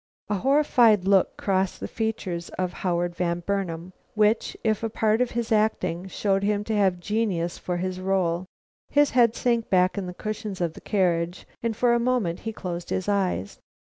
A horrified look crossed the features of Howard Van Burnam, which, if a part of his acting, showed him to have genius for his rôle. His head sank back on the cushions of the carriage, and for a moment he closed his eyes.